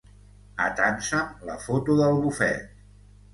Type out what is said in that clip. Atansa'm la foto del bufet.